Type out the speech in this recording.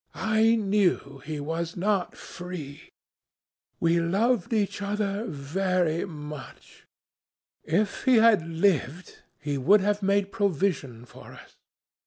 "I knew he was not free. We loved each other very much. If he had lived, he would have made provision for us.